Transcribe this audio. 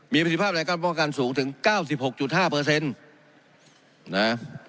มีปฏิภาพอะไรก็มองกันสูงถึงเก้าสิบหกจุดห้าเปอร์เซ็นต์นะ